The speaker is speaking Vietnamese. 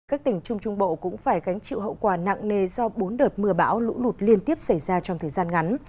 các tỉnh trung trung bộ cũng phải gánh chịu hậu quả nặng nề do bốn đợt mưa bão lũ lụt liên tiếp xảy ra trong thời gian ngắn